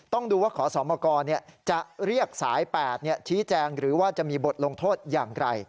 ต้องดูว่าขอสมกรจะเรียกสาย๘ชี้แจงหรือว่าจะมีบทลงโทษอย่างไร